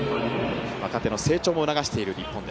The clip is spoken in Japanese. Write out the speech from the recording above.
若手の成長も促している日本。